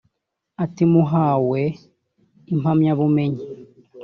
Ati “Muhawe impamyabumenyi